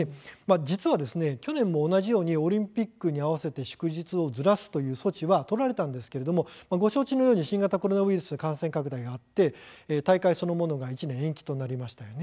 実は去年も、同じように祝日をオリンピックに合わせてずらす措置が取られたんですがご存じのように新型コロナウイルスの感染拡大があり大会そのものが１年延期となりましたよね。